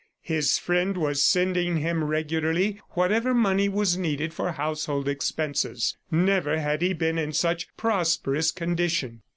His friend was sending him regularly whatever money was needed for household expenses. Never had he been in such prosperous condition.